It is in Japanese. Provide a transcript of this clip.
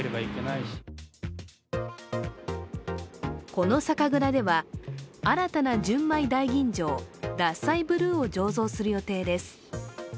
この酒蔵では新たな純米大吟醸ＤＡＳＳＡＩＢＬＵＥを醸造する予定です。